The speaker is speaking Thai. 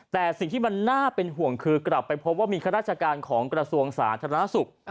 แต่สิ่งที่มันน่าเป็นห่วงคือกลับไปพบว่ามีข้าราชการของกระทรวงสาธารณสุข